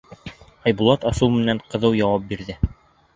— Айбулат асыу менән ҡыҙыу яуап бирҙе.